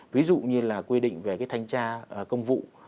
ví dụ như là quy định về cái thanh tra công vụ